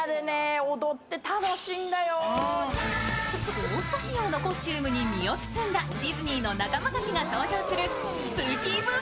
ゴースト仕様のコスチュームに身を包んだディズニーの仲間たちが登場するスプーキー“Ｂｏｏ！”